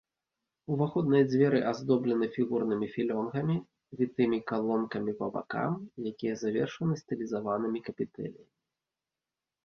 Уваходныя дзверы аздоблены фігурнымі філёнгамі, вітымі калонкамі па баках, якія завершаны стылізаванымі капітэлямі.